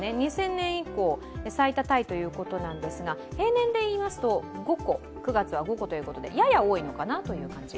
２０００年以降、最多タイということですが平年でいいますと９月は５個なのでやや多いのかなという感じ。